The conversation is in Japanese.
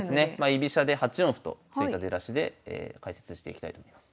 居飛車で８四歩と突いた出だしで解説していきたいと思います。